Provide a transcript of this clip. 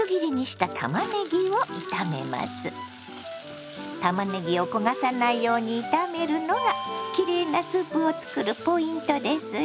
たまねぎを焦がさないように炒めるのがきれいなスープを作るポイントですよ。